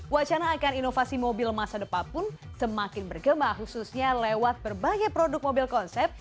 wacana akan inovasi mobil masa depan pun semakin bergema khususnya lewat berbagai produk mobil konsep